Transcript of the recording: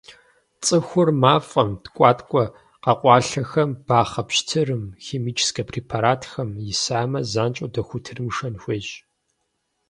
Цӏыхур мафӏэм, ткӏуаткӏуэ къэкъуалъэхэм, бахъэ пщтырым, химическэ препаратхэм исамэ, занщӏэу дохутырым шэн хуейщ.